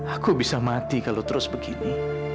aku bisa mati kalau terus begini